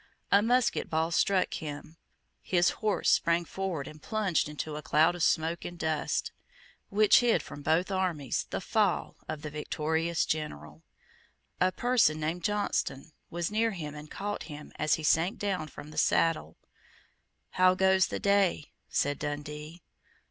A musket ball struck him; his horse sprang forward and plunged into a cloud of smoke and dust, which hid from both armies the fall of the victorious general. A person named Johnstone was near him and caught him as he sank down from the saddle. "How goes the day?" said Dundee.